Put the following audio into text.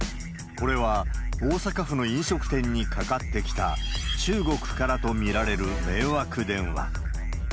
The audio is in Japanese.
これは大阪府の飲食店にかかってきた、中国からと見られる迷惑電話。